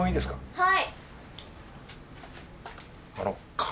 はい。